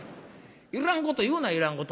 いらんこと言うないらんこと。